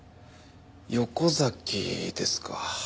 横崎ですか。